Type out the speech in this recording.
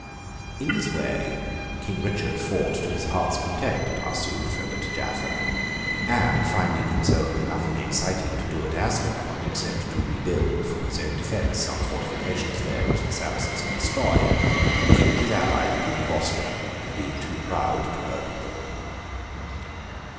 In this way King Richard fought to his heart's content at Arsoof and at Jaffa; and finding himself with nothing exciting to do at Ascalon, except to rebuild, for his own defence, some fortifications there which the Saracens had destroyed, he kicked his ally the Duke of Austria, for being too proud to work at them.